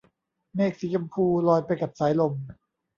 เมฆสีชมพูลอยไปกับสายลม